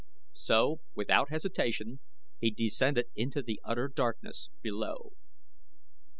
So, without hesitation, he descended into the utter darkness below.